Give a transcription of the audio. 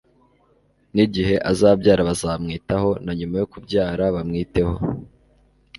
nigihe azabyara bazamwitaho na nyuma yo kubyara bamwiteho